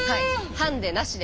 ハンデなしで。